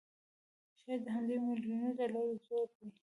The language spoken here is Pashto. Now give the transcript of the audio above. شايد د همدې مليونونو ډالرو زور وي